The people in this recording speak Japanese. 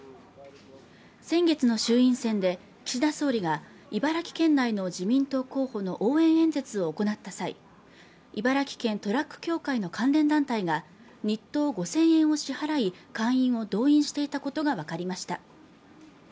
先月の衆院選で岸田総理が茨城県内の自民党候補の応援演説を行った際、茨城県トラック協会の関連団体が、日当５０００円を支払い、会員を動員していたことがわかりました。